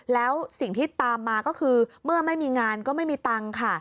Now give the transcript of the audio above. แล้วสิ่งที่ตามมาก็คือเมื่อไม่มีงานก็ไม่มีตังค์ค่ะ